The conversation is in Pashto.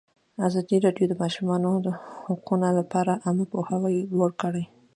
ازادي راډیو د د ماشومانو حقونه لپاره عامه پوهاوي لوړ کړی.